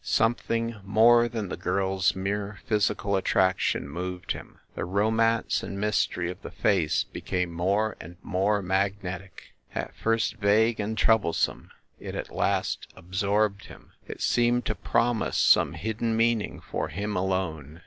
Something more than the girl s mere phys ical attraction moved him. The romance and mystery of the face became more and more magnetic at first vague and troublesome, it at last absorbed him; it seemed to promise some hidden meaning for him alone.